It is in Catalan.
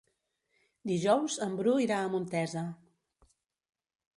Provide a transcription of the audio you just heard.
Dijous en Bru irà a Montesa.